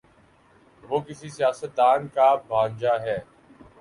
وہ کسی سیاست دان کا بھانجا ہے۔